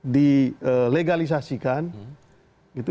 di ee legalisasikan gitu